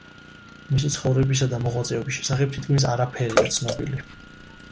მისი ცხოვრებისა და მოღვაწეობის შესახებ თითქმის არაფერია ცნობილი.